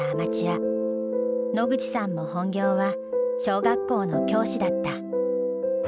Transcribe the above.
野口さんも本業は小学校の教師だった。